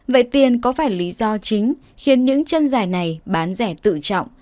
vậy tiền có phải lý do chính khiến những chân dài này bán rẻ tự trọng